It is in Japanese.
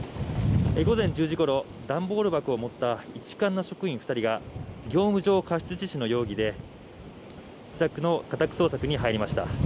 午前１０時ごろ段ボール箱を持った一管の職員２人が業務上過失致死の容疑で自宅の家宅捜索に入りました。